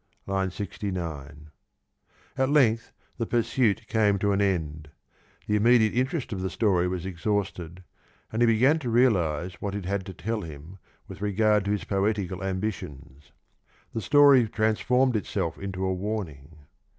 (II. 69) At length the pursuit came to an end ; the immediate interest of the story was exhausted, and he began to realise what it had to tell him with regard to his poetical ambitions. The story transformed itself into a warning.